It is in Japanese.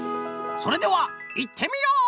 それではいってみよう！